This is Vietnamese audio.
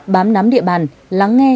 bám nắm địa bàn lắng nghe